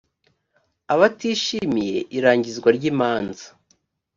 abatishimiye irangizwa ry imanza